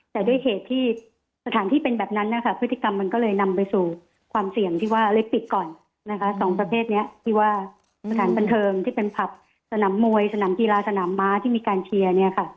แต่ด้วยเหตุที่สถานที่เป็นแบบนั้นนะคะพฤติกรรมมันก็เลยนำไปสู่ความเสี่ยงที่ว่าเล็กปิดก่อนนะคะสองประเภทนี้ที่ว่าสถานบันเทิงที่เป็นผับสนามมวยสนามกีฬาสนามม้าที่มีการเชียร์เนี่ยค่ะ